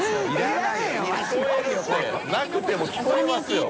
なくても聞こえますよ。